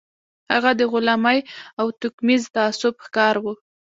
هغه د غلامۍ او توکميز تعصب ښکار و.